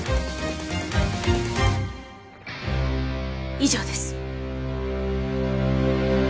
以上です。